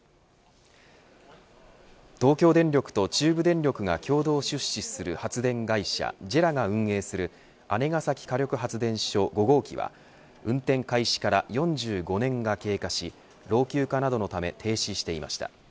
東京電力と中部電力が共同出資する発電会社ＪＥＲＡが運営する姉崎火力発電所５号機は運転開始から４５年が経過し老朽化などのため停止していました。